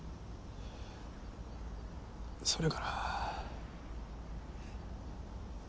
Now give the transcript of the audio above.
それから。